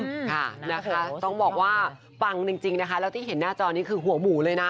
ค่ะนะคะต้องบอกว่าปังจริงนะคะแล้วที่เห็นหน้าจอนี้คือหัวหมูเลยนะ